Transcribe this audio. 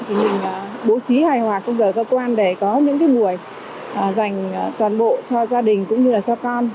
thì mình bố trí hài hòa công giờ cơ quan để có những cái buổi dành toàn bộ cho gia đình cũng như là cho con